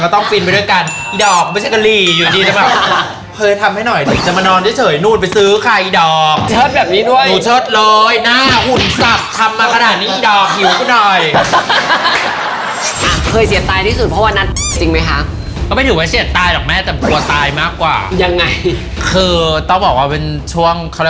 แต่ถ้าเป็นหมาเป็นลาบเป็นก้อยอีกอาบโอ้ยถูกปะล่ะยังไงยังไงอ่ะ